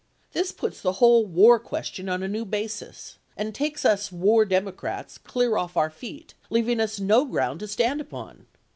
This puts the whole war question on a new basis, and takes us war Democrats clear off our feet, leaving us no ground to stand upon.